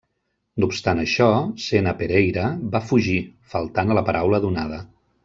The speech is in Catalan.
No obstant això, Sena Pereira va fugir, faltant a la paraula donada.